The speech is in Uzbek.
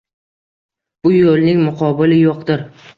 Bu yo‘lning muqobili yo‘qdir.